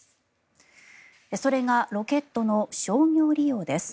それがロケットの商業利用です。